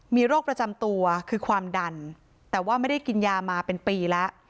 มีโรคประจำตัวคือความดันแต่ว่าไม่ได้กินยามาเป็นปีแล้ว